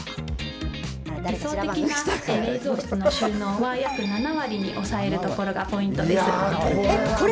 理想的な冷蔵室の収納は、約７割に抑えるところがポイントです。